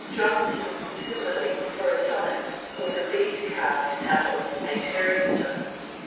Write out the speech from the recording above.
Johnson's simile for a sonnet was "a bead carved out of a cherry stone."